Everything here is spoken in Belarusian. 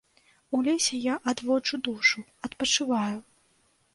У лесе я адводжу душу, адпачываю.